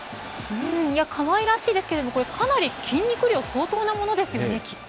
いや可愛らしいですけどもかなり筋肉量相当なものですよねきっと。